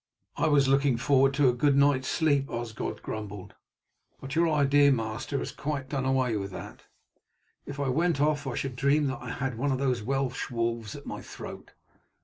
"I was looking forward to a good night's sleep," Osgod grumbled, "but your idea, master, has quite done away with that. If I went off I should dream that I had one of those Welsh wolves at my throat.